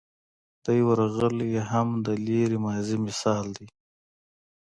دی ورغلی و هم د لرې ماضي مثال دی.